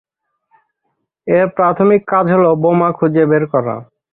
এর প্রাথমিক কাজ হল বোমা খুঁজে বের করা।